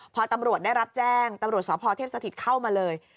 พอตำรวจได้รับแจ้งตำรวจสพเทพสถิตเข้ามาเลย